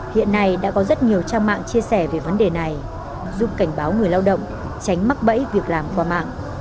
hiện nay đã có rất nhiều trang mạng chia sẻ về vấn đề này giúp cảnh báo người lao động tránh mắc bẫy việc làm qua mạng